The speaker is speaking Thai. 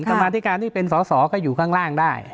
กรรมาธิการที่เป็นสอสอก็อยู่ข้างล่างได้